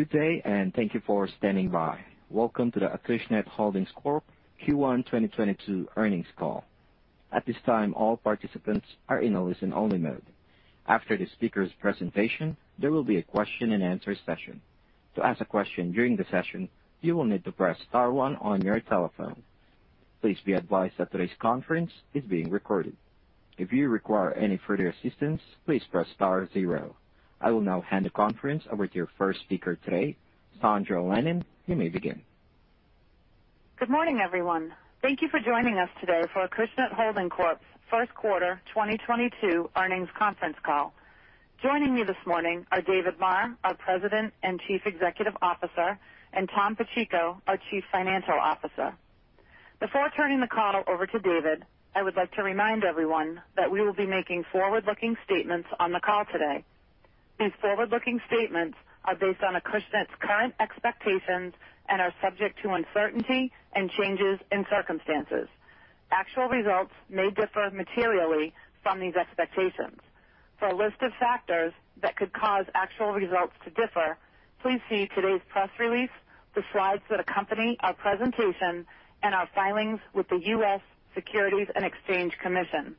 Good day, and thank you for standing by. Welcome to the Acushnet Holdings Corp's Q1 2022 earnings call. At this time, all participants are in a listen-only mode. After the speaker's presentation, there will be a question-and-answer session. To ask a question during the session, you will need to press star one on your telephone. Please be advised that today's conference is being recorded. If you require any further assistance, please press star zero. I will now hand the conference over to your first speaker today, Sondra Lennon. You may begin. Good morning, everyone. Thank you for joining us today for Acushnet Holdings Corp's first quarter 2022 earnings conference call. Joining me this morning are David Maher, our President and Chief Executive Officer, and Tom Pacheco, our Chief Financial Officer. Before turning the call over to David, I would like to remind everyone that we will be making forward-looking statements on the call today. These forward-looking statements are based on Acushnet's current expectations and are subject to uncertainty and changes in circumstances. Actual results may differ materially from these expectations. For a list of factors that could cause actual results to differ, please see today's press release, the slides that accompany our presentation, and our filings with the U.S. Securities and Exchange Commission.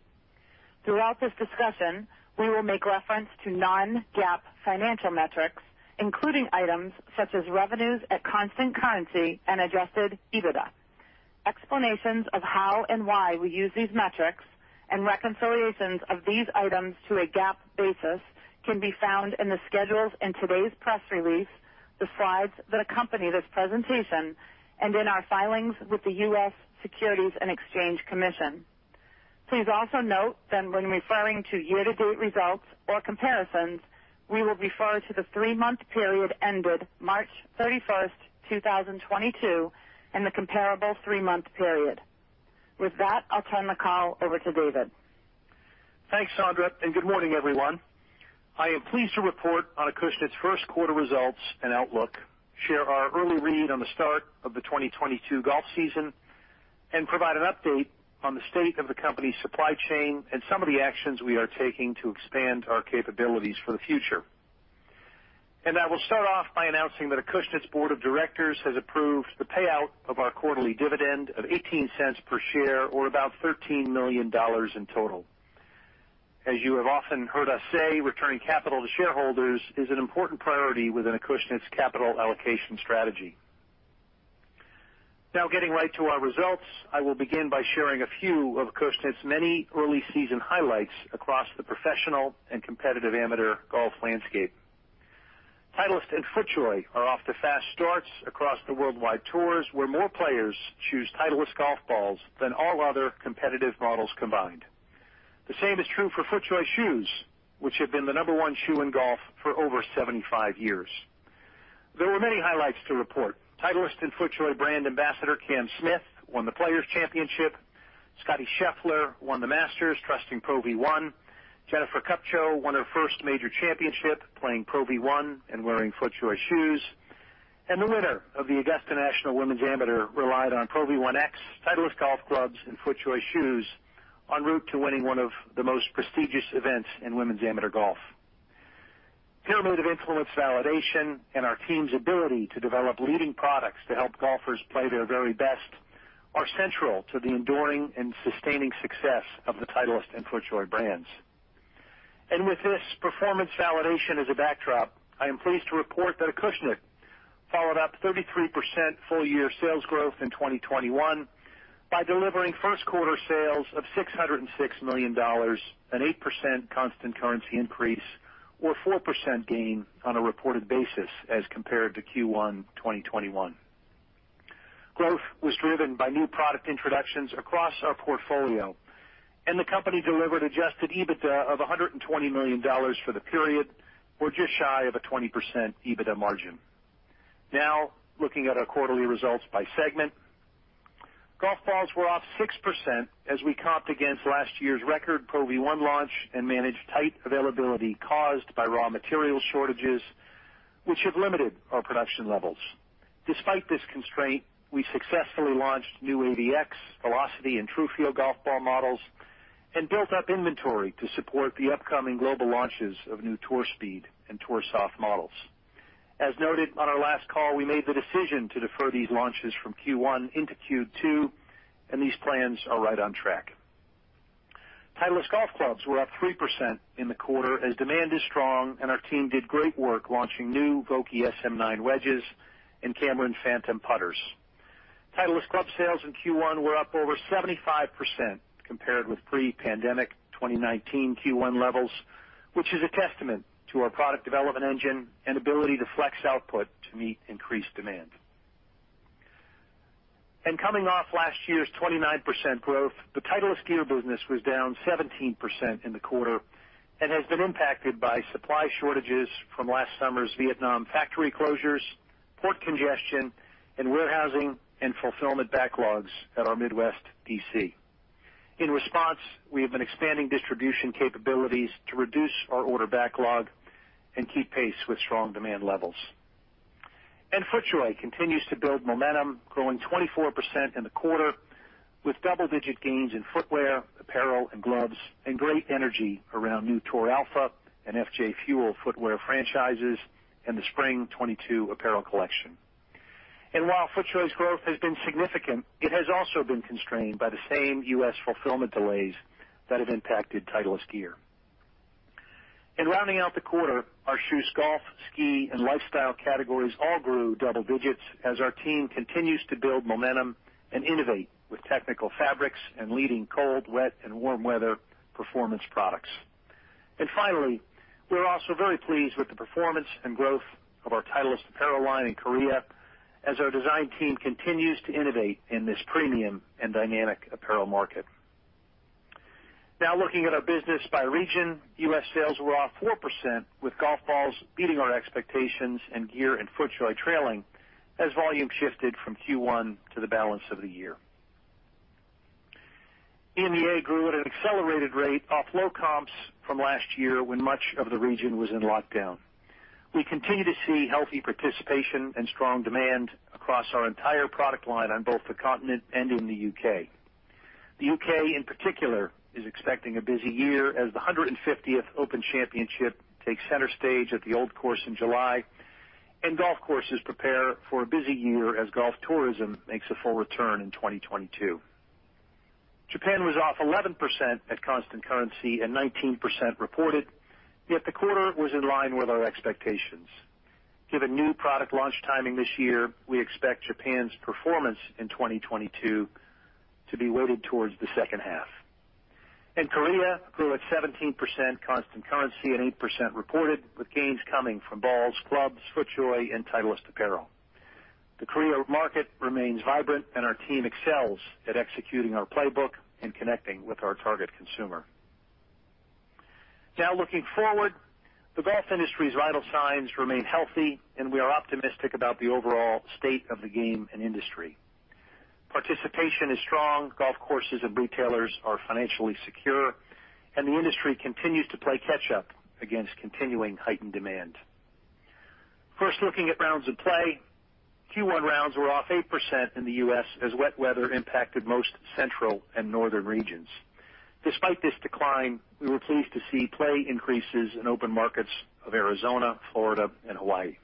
Throughout this discussion, we will make reference to non-GAAP financial metrics, including items such as revenues at constant currency and adjusted EBITDA. Explanations of how and why we use these metrics and reconciliations of these items to a GAAP basis can be found in the schedules in today's press release, the slides that accompany this presentation, and in our filings with the U.S. Securities and Exchange Commission. Please also note that when referring to year-to-date results or comparisons, we will refer to the three-month period ended March 31st, 2022 and the comparable three-month period. With that, I'll turn the call over to David. Thanks, Sondra, and good morning, everyone. I am pleased to report on Acushnet's first quarter results and outlook, share our early read on the start of the 2022 golf season, and provide an update on the state of the company's supply chain and some of the actions we are taking to expand our capabilities for the future. I will start off by announcing that Acushnet's board of directors has approved the payout of our quarterly dividend of $0.18 per share or about $13 million in total. As you have often heard us say, returning capital to shareholders is an important priority within Acushnet's capital allocation strategy. Now getting right to our results, I will begin by sharing a few of Acushnet's many early season highlights across the professional and competitive amateur golf landscape. Titleist and FootJoy are off to fast starts across the worldwide tours, where more players choose Titleist golf balls than all other competitive models combined. The same is true for FootJoy shoes, which have been the number one shoe in golf for over 75 years. There were many highlights to report. Titleist and FootJoy brand ambassador Cam Smith won The Players Championship. Scottie Scheffler won the Masters trusting Pro V1. Jennifer Kupcho won her first major championship playing Pro V1 and wearing FootJoy shoes. The winner of the Augusta National Women's Amateur relied on Pro V1x, Titleist Golf Blubs, and FootJoy shoes en route to winning one of the most prestigious events in Women's Amateur Golf. Pyramid of influence validation and our team's ability to develop leading products to help golfers play their very best are central to the enduring and sustaining success of the Titleist and FootJoy brands. With this performance validation as a backdrop, I am pleased to report that Acushnet followed up 33% full-year sales growth in 2021 by delivering first quarter sales of $606 million, an 8% constant currency increase or 4% gain on a reported basis as compared to Q1 2021. Growth was driven by new product introductions across our portfolio, and the company delivered adjusted EBITDA of $120 million for the period or just shy of a 20% EBITDA margin. Now looking at our quarterly results by segment. Golf balls were up 6% as we comped against last year's record Pro V1 launch and managed tight availability caused by raw material shortages, which have limited our production levels. Despite this constraint, we successfully launched new AVX, Velocity, and TruFeel Golf Ball models and built up inventory to support the upcoming global launches of new Tour Speed and Tour Soft models. As noted on our last call, we made the decision to defer these launches from Q1 into Q2, and these plans are right on track. Titleist golf clubs were up 3% in the quarter as demand is strong and our team did great work launching new Vokey SM9 wedges and Scotty Cameron Phantom putters. Titleist Club sales in Q1 were up over 75% compared with pre-pandemic 2019 Q1 levels, which is a testament to our product development engine and ability to flex output to meet increased demand. Coming off last year's 29% growth, the Titleist Gear business was down 17% in the quarter and has been impacted by supply shortages from last summer's Vietnam factory closures, port congestion, and warehousing and fulfillment backlogs at our Midwest D.C. In response, we have been expanding distribution capabilities to reduce our order backlog and keep pace with strong demand levels. FootJoy continues to build momentum, growing 24% in the quarter, with double-digit gains in footwear, apparel and gloves, and great energy around new Tour Alpha and FJ Fuel footwear franchises and the Spring 2022 apparel collection. While FootJoy's growth has been significant, it has also been constrained by the same U.S. fulfillment delays that have impacted Titleist Gear. Rounding out the quarter, our shoes, golf, ski, and lifestyle categories all grew double digits as our team continues to build momentum and innovate with technical fabrics and leading cold, wet, and warm weather performance products. Finally, we're also very pleased with the performance and growth of our Titleist apparel line in Korea as our design team continues to innovate in this premium and dynamic apparel market. Now looking at our business by region, U.S. sales were off 4%, with golf balls beating our expectations and gear and FootJoy trailing as volume shifted from Q1 to the balance of the year. EMEA grew at an accelerated rate off low comps from last year when much of the region was in lockdown. We continue to see healthy participation and strong demand across our entire product line on both the continent and in the U.K. The U.K. in particular is expecting a busy year as the 150th Open Championship takes center stage at the Old Course in July, and golf courses prepare for a busy year as golf tourism makes a full return in 2022. Japan was off 11% at constant currency and 19% reported, yet the quarter was in line with our expectations. Given new product launch timing this year, we expect Japan's performance in 2022 to be weighted towards the second half. And Korea grew at 17% constant currency and 8% reported, with gains coming from balls, clubs, FootJoy and Titleist apparel. The Korea market remains vibrant and our team excels at executing our playbook and connecting with our target consumer. Now looking forward, the golf industry's vital signs remain healthy, and we are optimistic about the overall state of the game and industry. Participation is strong, golf courses and retailers are financially secure, and the industry continues to play catch up against continuing heightened demand. First, looking at rounds of play, Q1 rounds were off 8% in the U.S. as wet weather impacted most central and northern regions. Despite this decline, we were pleased to see play increases in open markets of Arizona, Florida, and Hawaii.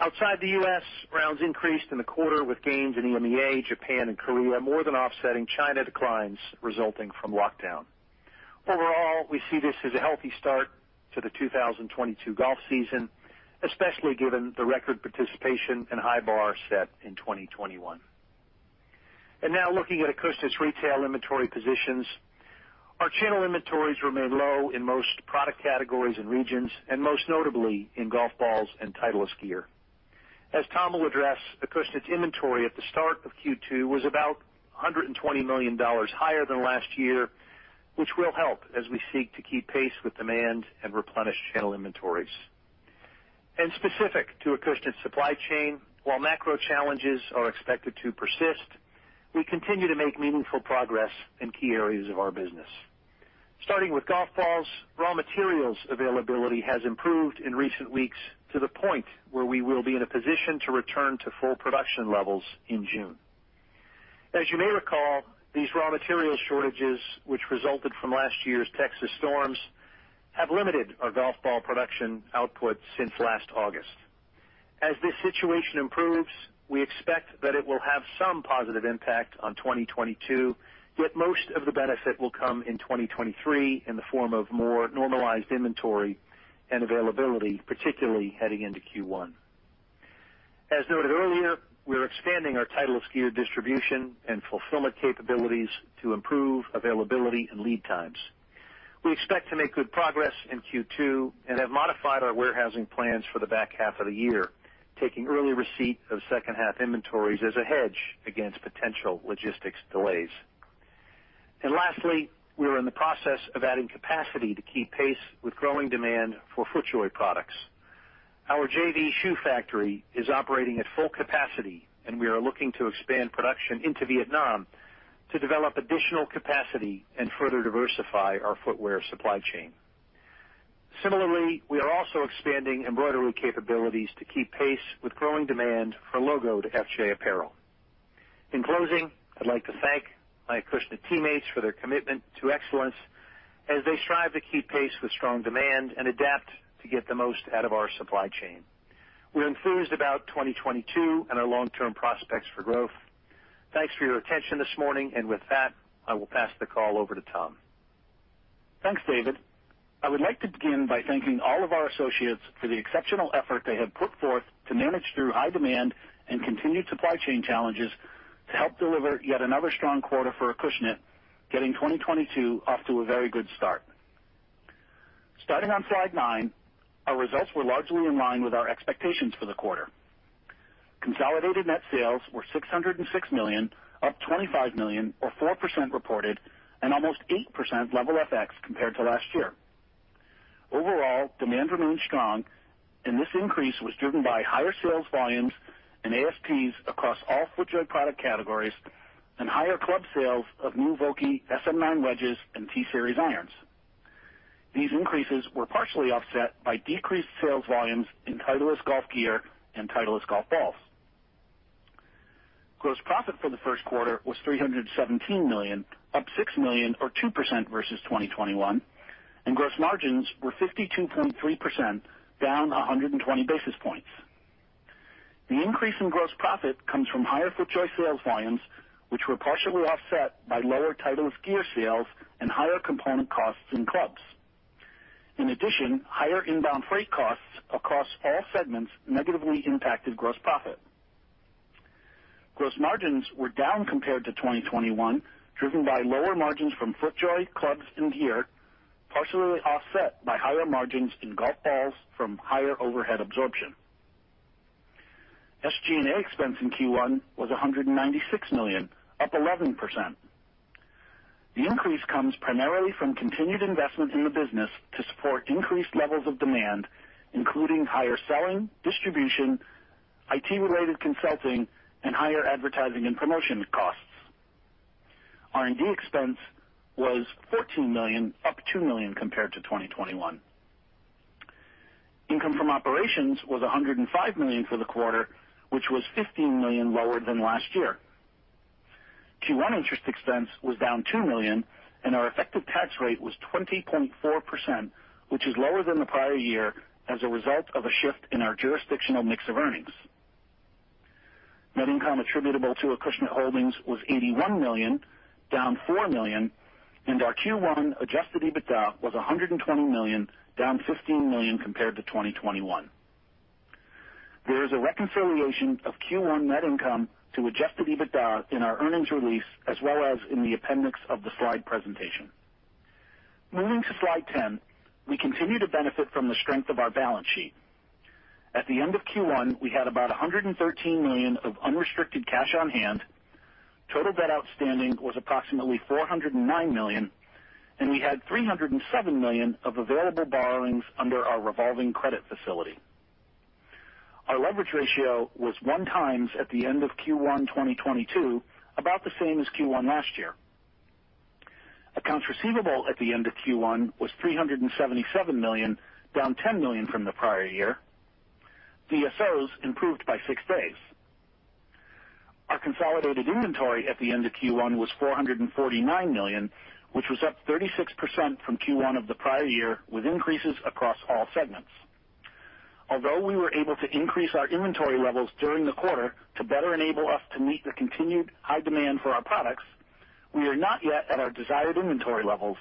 Outside the U.S., rounds increased in the quarter with gains in EMEA, Japan and Korea more than offsetting China declines resulting from lockdown. Overall, we see this as a healthy start to the 2022 golf season, especially given the record participation and high bar set in 2021. Now looking at Acushnet's retail inventory positions. Our channel inventories remain low in most product categories and regions, and most notably in Golf Balls and Titleist Gear. As Tom will address, Acushnet's inventory at the start of Q2 was about $120 million higher than last year, which will help as we seek to keep pace with demand and replenish channel inventories. Specific to Acushnet supply chain, while macro challenges are expected to persist, we continue to make meaningful progress in key areas of our business. Starting with golf balls, raw materials availability has improved in recent weeks to the point where we will be in a position to return to full production levels in June. As you may recall, these raw material shortages, which resulted from last year's Texas storms, have limited our golf ball production output since last August. As this situation improves, we expect that it will have some positive impact on 2022, yet most of the benefit will come in 2023 in the form of more normalized inventory and availability, particularly heading into Q1. As noted earlier, we're expanding our Titleist Gear distribution and fulfillment capabilities to improve availability and lead times. We expect to make good progress in Q2 and have modified our warehousing plans for the back half of the year, taking early receipt of second half inventories as a hedge against potential logistics delays. Lastly, we are in the process of adding capacity to keep pace with growing demand for FootJoy products. Our JV shoe factory is operating at full capacity, and we are looking to expand production into Vietnam to develop additional capacity and further diversify our footwear supply chain. Similarly, we are also expanding embroidery capabilities to keep pace with growing demand for logoed FJ apparel. In closing, I'd like to thank my Acushnet teammates for their commitment to excellence as they strive to keep pace with strong demand and adapt to get the most out of our supply chain. We're enthused about 2022 and our long-term prospects for growth. Thanks for your attention this morning. With that, I will pass the call over to Tom. Thanks, David. I would like to begin by thanking all of our associates for the exceptional effort they have put forth to manage through high demand and continued supply chain challenges to help deliver yet another strong quarter for Acushnet, getting 2022 off to a very good start. Starting on slide 9, our results were largely in line with our expectations for the quarter. Consolidated net sales were $606 million, up $25 million or 4% reported and almost 8% level FX compared to last year. Overall, demand remained strong and this increase was driven by higher sales volumes and ASPs across all FootJoy product categories and higher club sales of new Vokey SM9 wedges and T-Series irons. These increases were partially offset by decreased sales volumes in Titleist Golf Gear and Titleist Golf Balls. Gross profit for the first quarter was $317 million, up $6 million or 2% versus 2021, and gross margins were 52.3%, down 120 basis points. The increase in gross profit comes from higher FootJoy sales volumes, which were partially offset by lower Titleist Gear sales and higher component costs in Clubs. In addition, higher inbound freight costs across all segments negatively impacted gross profit. Gross margins were down compared to 2021, driven by lower margins from FootJoy clubs and gear, partially offset by higher margins in golf balls from higher overhead absorption. SG&A expense in Q1 was $196 million, up 11%. The increase comes primarily from continued investment in the business to support increased levels of demand, including higher selling, distribution, IT related consulting, and higher advertising and promotion costs. R&D expense was $14 million, up $2 million compared to 2021. Income from operations was $105 million for the quarter, which was $15 million lower than last year. Q1 interest expense was down $2 million and our effective tax rate was 20.4%, which is lower than the prior year as a result of a shift in our jurisdictional mix of earnings. Net income attributable to Acushnet Holdings was $81 million, down $4 million, and our Q1 adjusted EBITDA was $120 million, down $15 million compared to 2021. There is a reconciliation of Q1 net income to adjusted EBITDA in our earnings release as well as in the appendix of the slide presentation. Moving to slide 10. We continue to benefit from the strength of our balance sheet. At the end of Q1, we had about $113 million of unrestricted cash on hand. Total debt outstanding was approximately $409 million, and we had $307 million of available borrowings under our revolving credit facility. Our leverage ratio was 1x at the end of Q1 2022, about the same as Q1 last year. Accounts receivable at the end of Q1 was $377 million, down $10 million from the prior year. DSOs improved by six days. Our consolidated inventory at the end of Q1 was $449 million, which was up 36% from Q1 of the prior year, with increases across all segments. Although we were able to increase our inventory levels during the quarter to better enable us to meet the continued high demand for our products, we are not yet at our desired inventory levels,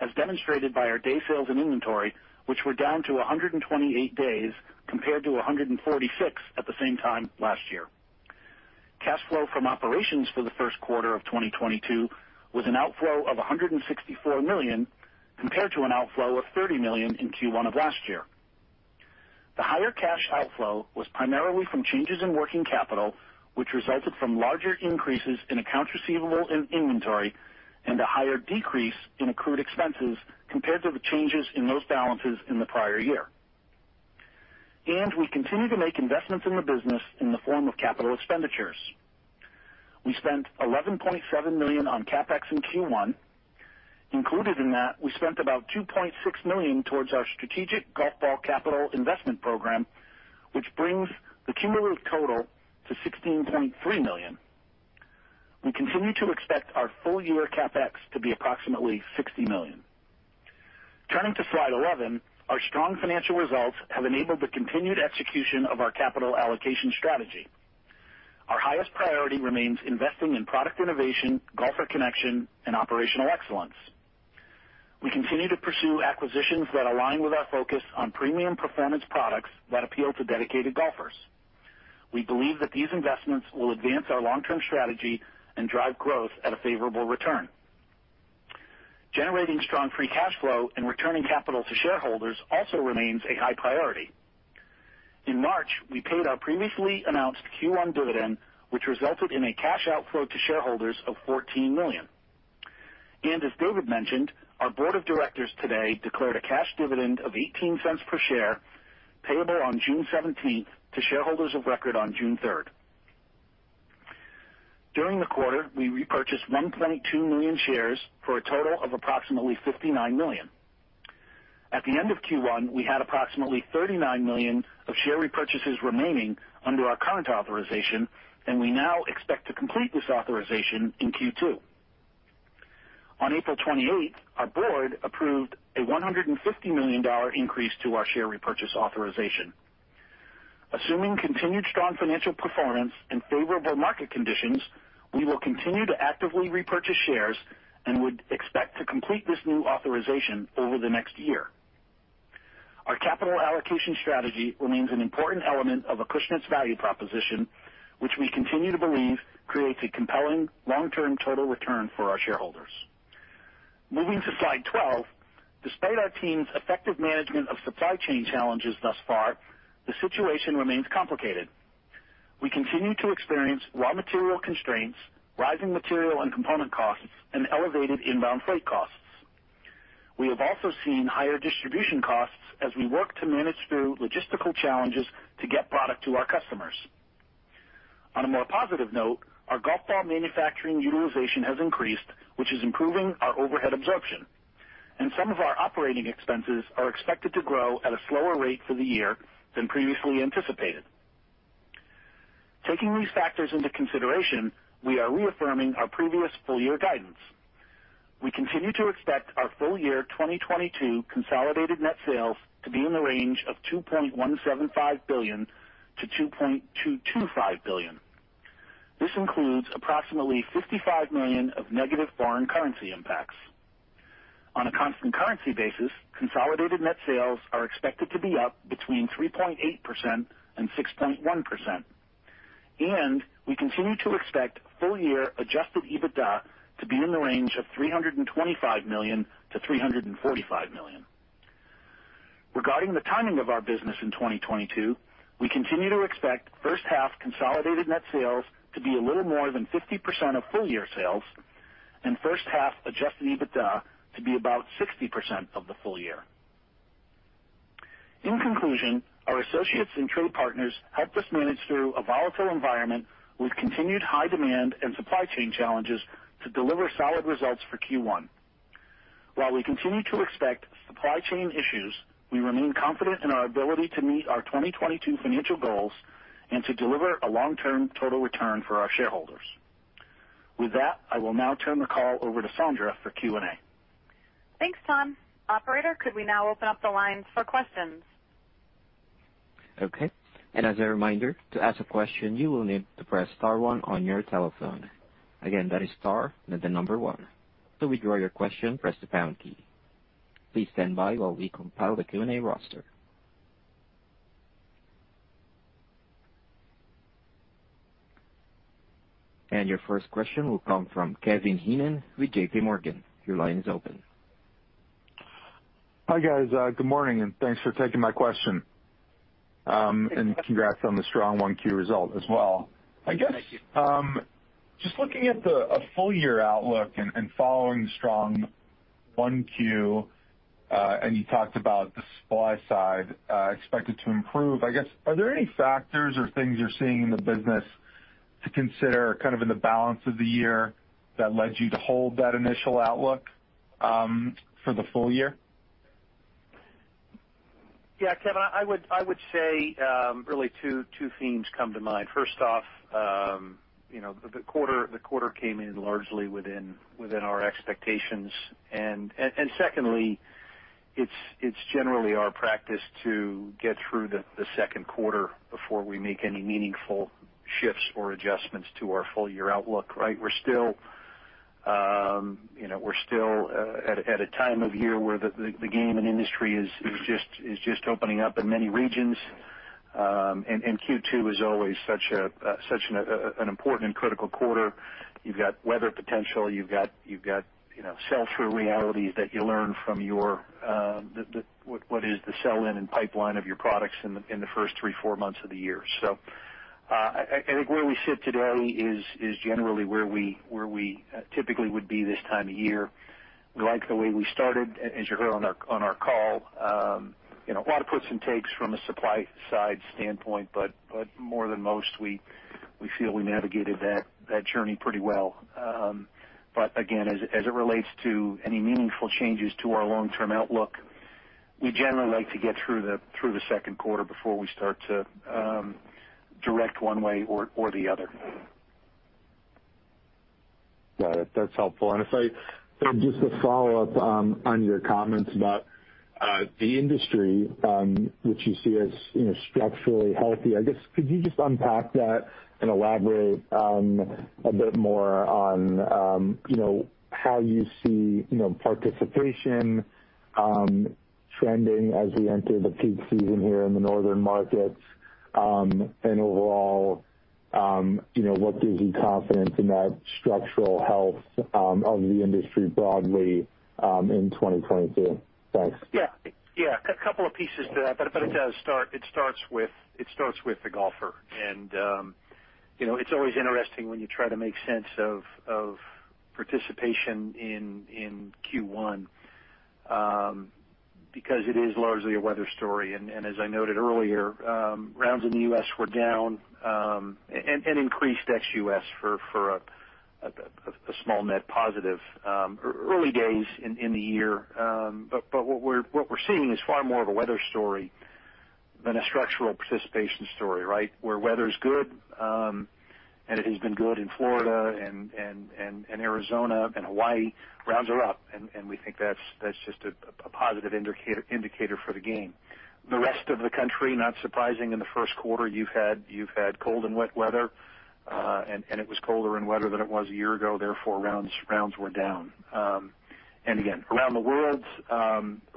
as demonstrated by our day sales and inventory, which were down to 128 days compared to 146 at the same time last year. Cash flow from operations for the first quarter of 2022 was an outflow of $164 million, compared to an outflow of $30 million in Q1 of last year. The higher cash outflow was primarily from changes in working capital, which resulted from larger increases in accounts receivable and inventory and a higher decrease in accrued expenses compared to the changes in those balances in the prior year. We continue to make investments in the business in the form of capital expenditures. We spent $11.7 million on CapEx in Q1. Included in that, we spent about $2.6 million towards our strategic golf ball capital investment program, which brings the cumulative total to $16.3 million. We continue to expect our full year CapEx to be approximately $60 million. Turning to slide 11. Our strong financial results have enabled the continued execution of our capital allocation strategy. Our highest priority remains investing in product innovation, golfer connection, and operational excellence. We continue to pursue acquisitions that align with our focus on premium performance products that appeal to dedicated golfers. We believe that these investments will advance our long term strategy and drive growth at a favorable return. Generating strong free cash flow and returning capital to shareholders also remains a high priority. In March, we paid our previously announced Q1 dividend, which resulted in a cash outflow to shareholders of $14 million. As David mentioned, our board of directors today declared a cash dividend of $0.18 per share, payable on June 17th to shareholders of record on June 3rd. During the quarter, we repurchased 122 million shares for a total of approximately $59 million. At the end of Q1, we had approximately $39 million of share repurchases remaining under our current authorization, and we now expect to complete this authorization in Q2. On April 28th, our board approved a $150 million increase to our share repurchase authorization. Assuming continued strong financial performance and favorable market conditions, we will continue to actively repurchase shares and would expect to complete this new authorization over the next year. Our capital allocation strategy remains an important element of Acushnet's value proposition, which we continue to believe creates a compelling long-term total return for our shareholders. Moving to slide 12. Despite our team's effective management of supply chain challenges thus far, the situation remains complicated. We continue to experience raw material constraints, rising material and component costs, and elevated inbound freight costs. We have also seen higher distribution costs as we work to manage through logistical challenges to get product to our customers. On a more positive note, our golf ball manufacturing utilization has increased, which is improving our overhead absorption, and some of our operating expenses are expected to grow at a slower rate for the year than previously anticipated. Taking these factors into consideration, we are reaffirming our previous full year guidance. We continue to expect our full year 2022 consolidated net sales to be in the range of $2.175 billion-$2.225 billion. This includes approximately $55 million of negative foreign currency impacts. On a constant currency basis, consolidated net sales are expected to be up between 3.8% and 6.1%, and we continue to expect full year adjusted EBITDA to be in the range of $325 million-$345 million. Regarding the timing of our business in 2022, we continue to expect first half consolidated net sales to be a little more than 50% of full year sales and first half adjusted EBITDA to be about 60% of the full year. In conclusion, our associates and trade partners helped us manage through a volatile environment with continued high demand and supply chain challenges to deliver solid results for Q1. While we continue to expect supply chain issues, we remain confident in our ability to meet our 2022 financial goals and to deliver a long term total return for our shareholders. With that, I will now turn the call over to Sondra for Q&A. Thanks, Tom. Operator, could we now open up the lines for questions? Okay. As a reminder, to ask a question, you will need to press star one on your telephone. Again, that is star, then the number one. To withdraw your question, press the pound key. Please stand by while we compile the Q&A roster. Your first question will come from Kevin Heenan with J.P. Morgan. Your line is open. Hi, guys. Good morning, and thanks for taking my question. Congrats on the strong 1Q result as well. Thank you. I guess just looking at a full year outlook and following the strong Q1, and you talked about the supply side expected to improve. I guess, are there any factors or things you're seeing in the business to consider kind of in the balance of the year that led you to hold that initial outlook for the full year? Yeah, Kevin, I would say really two themes come to mind. First off, you know, the quarter came in largely within our expectations. Secondly, it's generally our practice to get through the second quarter before we make any meaningful shifts or adjustments to our full year outlook. Right? We're still at a time of year where the game and industry is just opening up in many regions. Q2 is always such an important and critical quarter. You've got weather potential. You've got sell through realities that you learn from the what is the sell in and pipeline of your products in the first three, four months of the year. I think where we sit today is generally where we typically would be this time of year. We like the way we started, as you heard on our call. You know, a lot of puts and takes from a supply side standpoint, but more than most, we feel we navigated that journey pretty well. But again, as it relates to any meaningful changes to our long-term outlook, we generally like to get through the second quarter before we start to direct one way or the other. Got it. That's helpful. So just a follow-up on your comments about the industry, which you see as, you know, structurally healthy, I guess. Could you just unpack that and elaborate a bit more on, you know, how you see, you know, participation trending as we enter the peak season here in the northern markets? Overall, you know, what gives you confidence in that structural health of the industry broadly in 2022? Thanks. Yeah. A couple of pieces to that. It does start. It starts with the golfer. You know, it's always interesting when you try to make sense of participation in Q1, because it is largely a weather story. As I noted earlier, rounds in the U.S. were down, and increased ex-U.S. for a small net positive early days in the year. What we're seeing is far more of a weather story than a structural participation story, right? Where weather's good, and it has been good in Florida and Arizona and Hawaii, rounds are up, and we think that's just a positive indicator for the game. The rest of the country, not surprising in the first quarter, you've had cold and wet weather, and it was colder and wetter than it was a year ago, therefore, rounds were down. Again, around the world,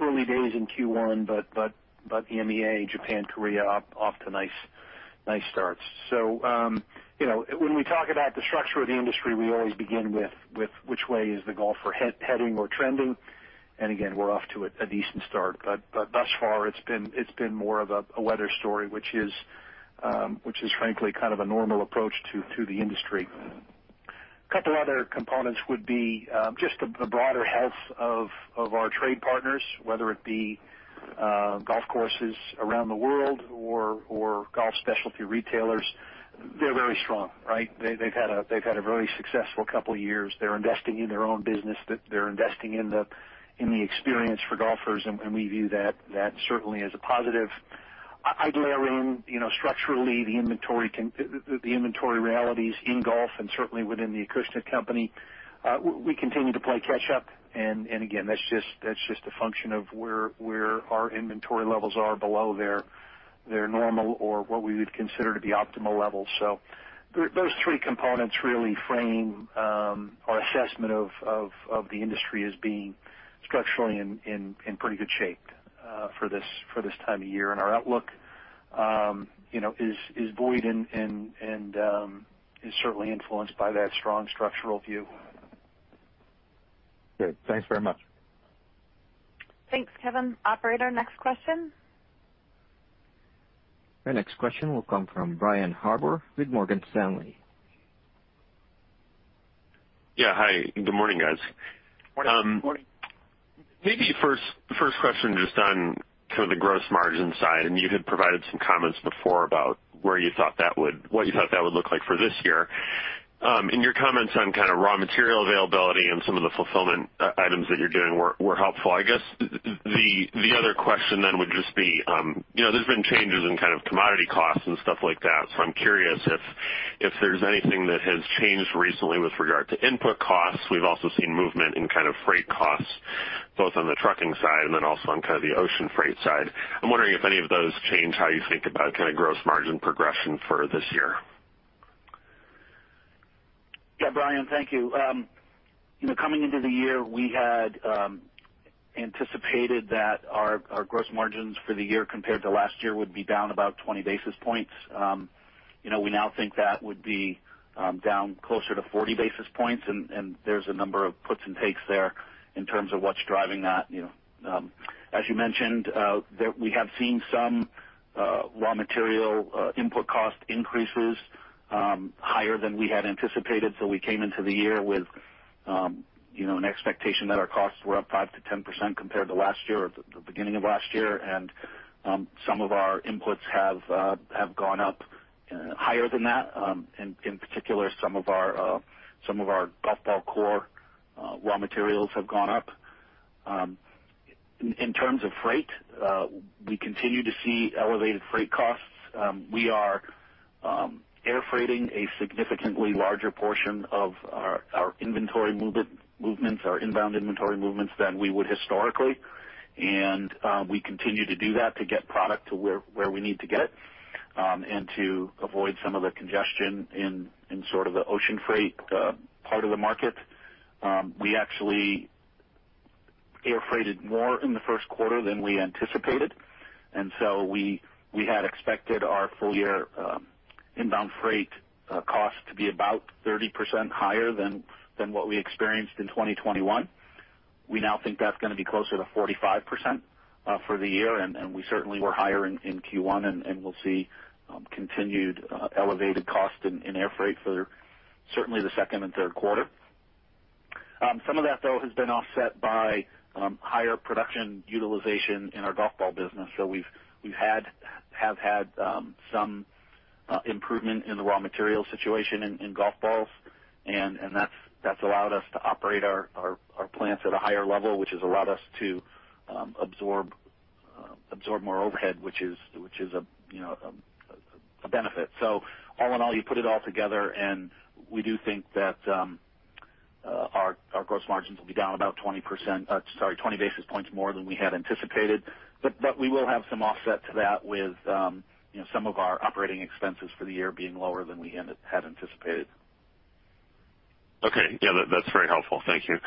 early days in Q1, but EMEA, Japan, Korea, off to nice starts. You know, when we talk about the structure of the industry, we always begin with which way is the golfer heading or trending. Again, we're off to a decent start. Thus far it's been more of a weather story, which is frankly kind of a normal approach to the industry. Couple other components would be just the broader health of our trade partners, whether it be golf courses around the world or golf specialty retailers. They're very strong, right? They've had a very successful couple years. They're investing in their own business. They're investing in the experience for golfers, and we view that certainly as a positive. I'd layer in, you know, structurally the inventory can. The inventory realities in golf and certainly within the Acushnet Company, we continue to play catch up and again, that's just a function of where our inventory levels are below their normal or what we would consider to be optimal levels. Those three components really frame our assessment of the industry as being structurally in pretty good shape for this time of year. Our outlook, you know, is buoyed and is certainly influenced by that strong structural view. Great. Thanks very much. Thanks, Kevin. Operator, next question. Your next question will come from Brian Harbour with Morgan Stanley. Yeah. Hi, good morning, guys. Morning. Morning. Maybe first question just on kind of the gross margin side, and you had provided some comments before about what you thought that would look like for this year. In your comments on kind of raw material availability and some of the fulfillment items that you're doing were helpful. I guess the other question then would just be, you know, there's been changes in kind of commodity costs and stuff like that, so I'm curious if there's anything that has changed recently with regard to input costs. We've also seen movement in kind of freight costs, both on the trucking side and then also on kind of the ocean freight side. I'm wondering if any of those change how you think about kind of gross margin progression for this year. Yeah. Brian, thank you. You know, coming into the year, we had anticipated that our gross margins for the year compared to last year would be down about 20 basis points. You know, we now think that would be down closer to 40 basis points, and there's a number of puts and takes there in terms of what's driving that, you know. As you mentioned, we have seen some raw material input cost increases higher than we had anticipated. So we came into the year with you know, an expectation that our costs were up 5%-10% compared to last year or the beginning of last year. Some of our inputs have gone up higher than that. In particular, some of our golf ball core raw materials have gone up. In terms of freight, we continue to see elevated freight costs. We are air freighting a significantly larger portion of our inbound inventory movements than we would historically. We continue to do that to get product to where we need to get and to avoid some of the congestion in sort of the ocean freight part of the market. We actually air freighted more in the first quarter than we anticipated. We had expected our full year inbound freight cost to be about 30% higher than what we experienced in 2021. We now think that's gonna be closer to 45% for the year, and we certainly were higher in Q1, and we'll see continued elevated cost in air freight for certainly the second and third quarter. Some of that though has been offset by higher production utilization in our golf ball business. We've had some improvement in the raw material situation in golf balls, and that's allowed us to operate our plants at a higher level, which has allowed us to absorb more overhead, which is a you know a benefit. So all in all, you put it all together, and we do think that our gross margins will be down about 20%. Sorry, 20 basis points more than we had anticipated, but we will have some offset to that with, you know, some of our operating expenses for the year being lower than we had anticipated. Okay. Yeah. That's very helpful. Thank you.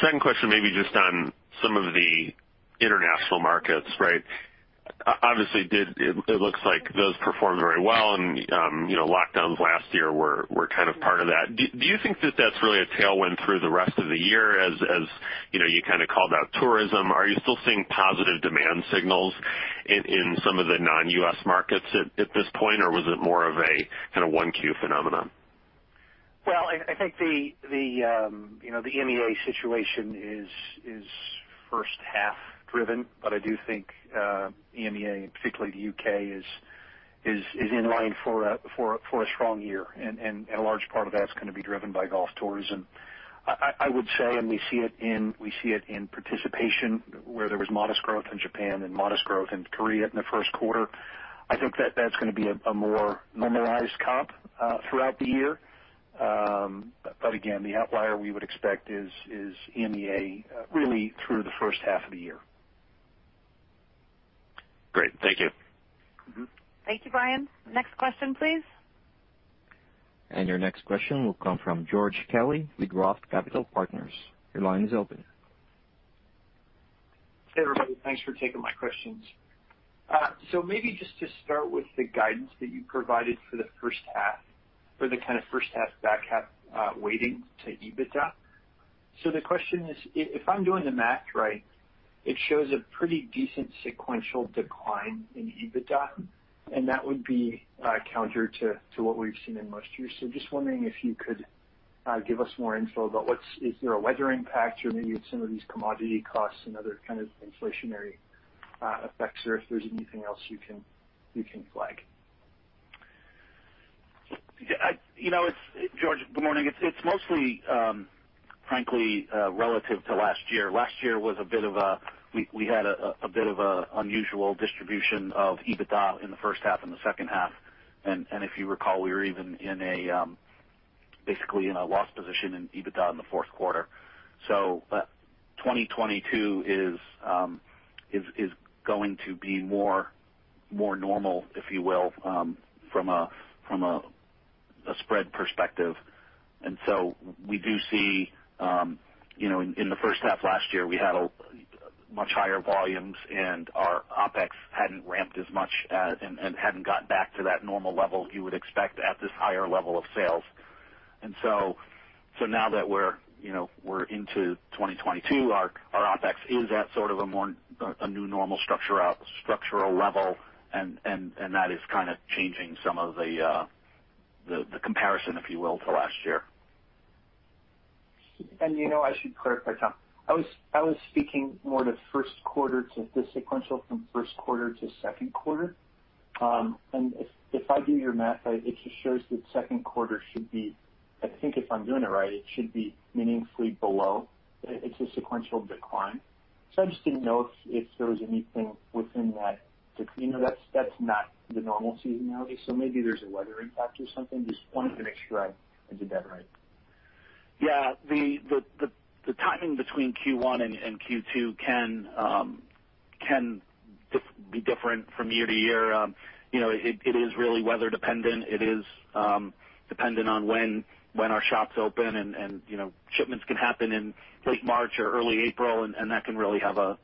Second question maybe just on some of the international markets, right? Obviously, it looks like those performed very well, and you know, lockdowns last year were kind of part of that. Do you think that's really a tailwind through the rest of the year as you know, you kinda called out tourism? Are you still seeing positive demand signals in some of the non-U.S. markets at this point, or was it more of a kinda 1Q phenomenon? Well, I think the, you know, the EMEA situation is first half driven, but I do think EMEA and particularly the U.K. is in line for a strong year. A large part of that's gonna be driven by golf tourism. I would say and we see it in participation where there was modest growth in Japan and modest growth in Korea in the first quarter. I think that's gonna be a more normalized comp throughout the year. Again, the outlier we would expect is EMEA really through the first half of the year. Great. Thank you. Mm-hmm. Thank you, Brian. Next question, please. Your next question will come from George Kelly with ROTH Capital Partners. Your line is open. Hey, everybody. Thanks for taking my questions. Maybe just to start with the guidance that you provided for the first half, for the kind of first half back half, weighting to EBITDA. The question is, if I'm doing the math right, it shows a pretty decent sequential decline in EBITDA, and that would be counter to what we've seen in most years. Just wondering if you could give us more info. Is there a weather impact or maybe some of these commodity costs and other kind of inflationary effects, or if there's anything else you can flag? You know, good morning, George. It's mostly, frankly, relative to last year. Last year was a bit of a unusual distribution of EBITDA in the first half and the second half. If you recall, we were even basically in a loss position in EBITDA in the fourth quarter. So, 2022 is going to be more normal, if you will, from a spread perspective. We do see you know in the first half last year, we had much higher volumes, and our OpEx hadn't ramped as much as and hadn't gotten back to that normal level you would expect at this higher level of sales. Now that we're, you know, into 2022, our OpEx is at sort of a more new normal structural level, and that is kind of changing some of the comparison, if you will, to last year. You know, I should clarify, Tom. I was speaking more to first quarter to the sequential from first quarter to second quarter. And if I do your math, it just shows that second quarter should be I think if I'm doing it right, it should be meaningfully below. It's a sequential decline. I just didn't know if there was anything within that decline. That's not the normal seasonality, so maybe there's a weather impact or something. Just wanted to make sure I did that right. Yeah. The timing between Q1 and Q2 can be different from year to year. You know, it is really weather dependent. It is dependent on when our shops open and you know, shipments can happen in late March or early April, and that can really have a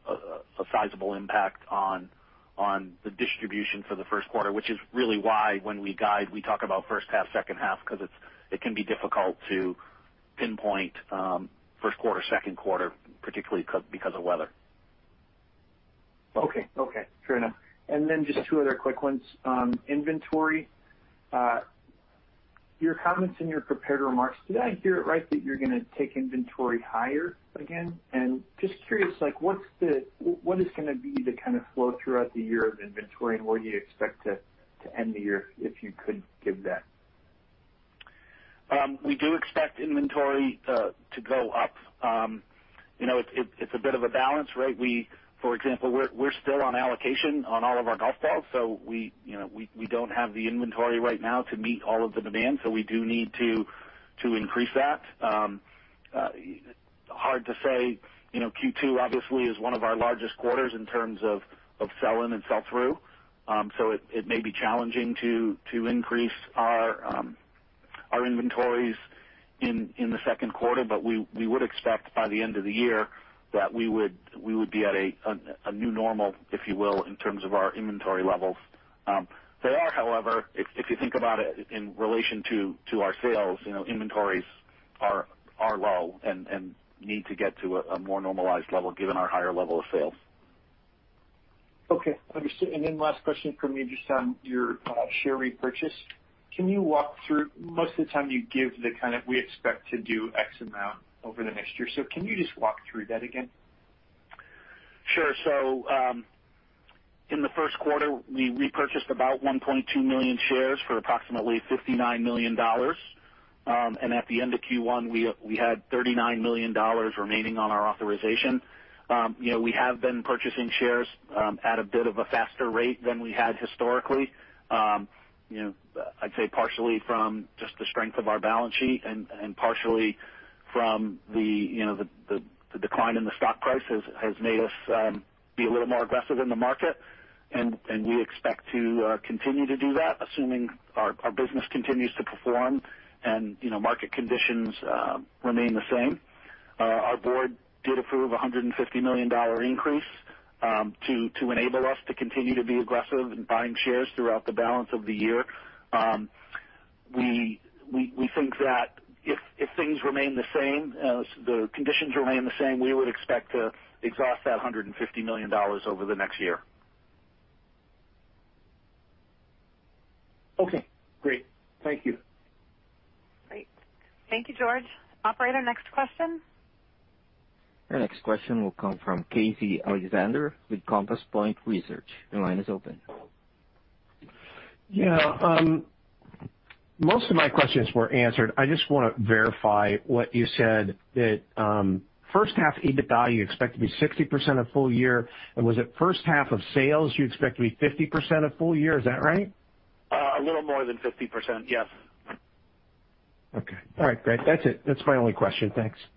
sizable impact on the distribution for the first quarter, which is really why when we guide, we talk about first half, second half, because it can be difficult to pinpoint first quarter, second quarter, particularly because of weather. Okay. Fair enough. Just two other quick ones. Inventory, your comments in your prepared remarks, did I hear it right that you're gonna take inventory higher again? Just curious, like, what is gonna be the kind of flow throughout the year of inventory, and where do you expect to end the year, if you could give that? We do expect inventory to go up. You know, it's a bit of a balance, right? For example, we're still on allocation on all of our golf balls, so you know, we don't have the inventory right now to meet all of the demand, so we do need to increase that. Hard to say. You know, Q2 obviously is one of our largest quarters in terms of sell-in and sell-through. It may be challenging to increase our inventories in the second quarter, but we would expect by the end of the year that we would be at a new normal, if you will, in terms of our inventory levels. They are, however, if you think about it in relation to our sales, you know, inventories are low and need to get to a more normalized level given our higher level of sales. Okay. Understood. Last question for me, just on your share repurchase. Can you walk through. Most of the time you give the kind of, "We expect to do X amount over the next year." Can you just walk through that again? Sure. In the first quarter, we repurchased about 1.2 million shares for approximately $59 million. At the end of Q1, we had $39 million remaining on our authorization. You know, we have been purchasing shares at a bit of a faster rate than we had historically. You know, I'd say partially from just the strength of our balance sheet and partially from the decline in the stock price has made us be a little more aggressive in the market, and we expect to continue to do that, assuming our business continues to perform and market conditions remain the same. Our board did approve $150 million increase to enable us to continue to be aggressive in buying shares throughout the balance of the year. We think that if things remain the same, the conditions remain the same, we would expect to exhaust that $150 million over the next year. Okay, great. Thank you. Great. Thank you, George. Operator, next question. Your next question will come from Casey Alexander with Compass Point Research. Your line is open. Yeah, most of my questions were answered. I just wanna verify what you said, that, first half EBITDA, you expect to be 60% of full year, and was it first half of sales you expect to be 50% of full year? Is that right? A little more than 50%, yes. Okay. All right, great. That's it. That's my only question. Thanks. Great.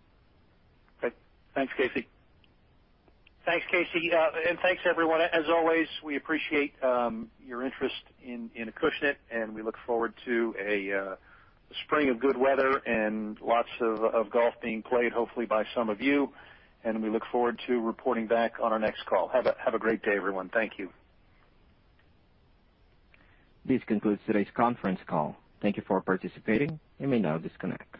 Thanks, Casey. Thanks Cassey and thanks, everyone. As always, we appreciate your interest in Acushnet, and we look forward to a spring of good weather and lots of golf being played, hopefully by some of you. We look forward to reporting back on our next call. Have a great day, everyone. Thank you. This concludes today's conference call. Thank you for participating. You may now disconnect.